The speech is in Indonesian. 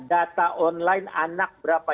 data online anak berapa